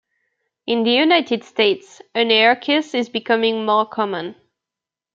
In the United States, an air kiss is becoming more common.